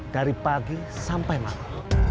dari pagi sampai malam